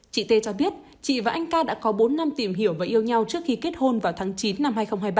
chị t a t cho biết chị và anh k a t đã có bốn năm tìm hiểu và yêu nhau trước khi kết hôn vào tháng chín năm hai nghìn hai mươi ba